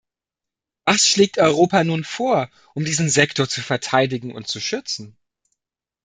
Was schlägt Europa nun vor, um diesen Sektor zu verteidigen und zu schützen?